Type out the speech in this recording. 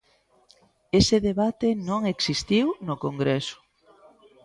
Ese debate non existiu no Congreso.